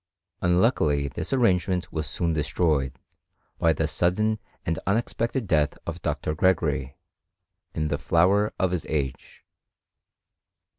Unluckily this ar rangement was soon destroyed, by the sudden and unexpected death of Dr. Gregory, in the flower of his age.